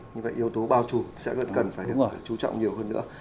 như vậy yếu tố bao trùm sẽ gần cần phải được chú trọng nhiều hơn nữa